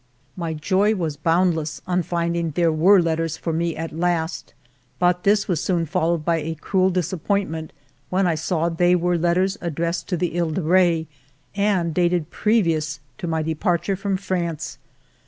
My joy was boundless on finding there were letters for me at last, but this was soon followed by a cruel disappointment when I saw they were letters addressed to the He de Re and dated previous to my departure from France.